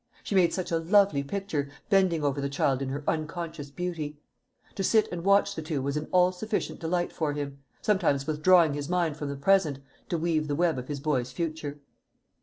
She made such a lovely picture, bending over the child in her unconscious beauty. To sit and watch the two was an all sufficient delight for him sometimes withdrawing his mind from the present, to weave the web of his boy's future.